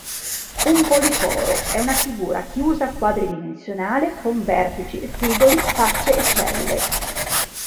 Un policoro è una figura chiusa quadridimensionale con vertici, spigoli, facce, e celle.